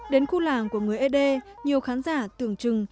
đến khu làng của người ế đê nhiều khán giả tưởng chừng